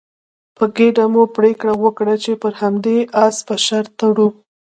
په ګډه مو پرېکړه وکړه چې پر همدې اس به شرط تړو.